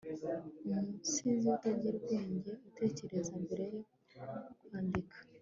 Umusizi utagira ubwenge utekereza mbere yo kwandika